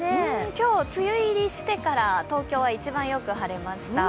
今日、梅雨入りしてから東京は一番よく晴れました。